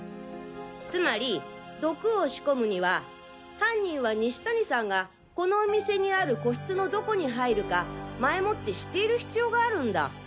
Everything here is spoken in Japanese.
つまり毒を仕込むには犯人は西谷さんがこのお店にある個室のどこに入るか前もって知っている必要があるんだ。